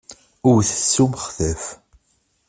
Wwtet s umextaf.